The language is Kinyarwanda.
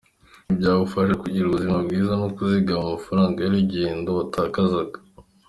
Ibi byagufasha kugira ubuzima bwiza no kuzigama amafaraga y’urugendo watakazaga.